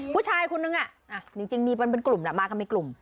ผู้ชายคนนึงจริงมีกลุ่มมากันมีกลุ่ม